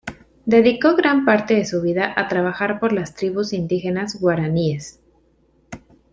Dedicó gran parte de su vida a trabajar por las tribus indígenas guaraníes.